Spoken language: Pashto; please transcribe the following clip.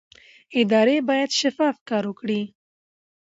ادارې باید شفاف کار وکړي